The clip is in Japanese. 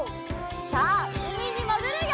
さあうみにもぐるよ！